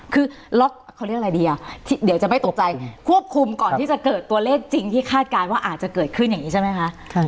คือล็อกเขาเรียกอะไรดีอ่ะเดี๋ยวจะไม่ตกใจควบคุมก่อนที่จะเกิดตัวเลขจริงที่คาดการณ์ว่าอาจจะเกิดขึ้นอย่างนี้ใช่ไหมคะ